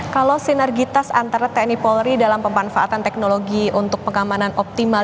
kalau sinergitas antara tni polri dalam pemanfaatan teknologi untuk pengamanan optimal